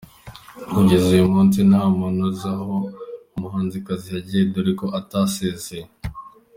Kugeza uyu munsi ntamuntu uzi aho uyu muhanzikazi yagiye dore ko atasezeye.